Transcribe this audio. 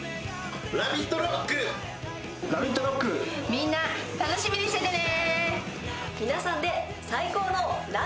みんな楽しみにしててね。